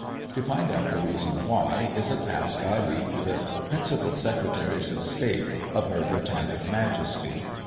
To find out the reason why, is a task I leave to the principal Secretaries of State of her Britannic Majesty.